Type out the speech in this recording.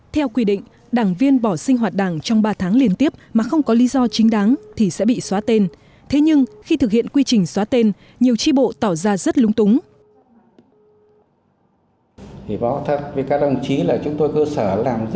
theo quy định đảng viên bỏ sinh hoạt đảng trong ba tháng liên tiếp mà không có lý do chính đáng thì sẽ bị xóa tên thế nhưng khi thực hiện quy trình xóa tên nhiều tri bộ tỏ ra rất lúng túng